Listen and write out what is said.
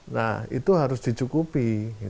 nah itu harus dicukupi